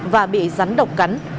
và bị rắn độc cắn